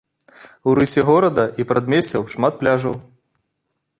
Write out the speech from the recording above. У рысе горада і ў прадмесцях шмат пляжаў.